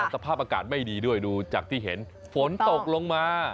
สภาพอากาศไม่ดีด้วยดูจากที่เห็นฝนตกลงมา